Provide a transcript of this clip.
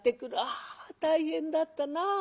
「あ大変だったなあ。